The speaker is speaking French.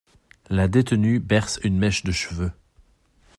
La détenue berce une mèche de cheveux.